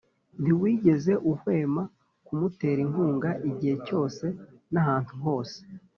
ntiwigeze uhwema kuwutera inkunga, igihe cyose n’ahantu hose.